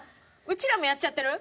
うちらもやっちゃってる？